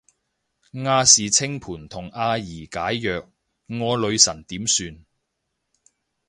亞視清盤同阿儀解約，我女神點算